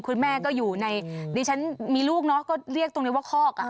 คุณแม่ก็อยู่ในดิฉันมีลูกเนาะก็เรียกตรงนี้ว่าคอก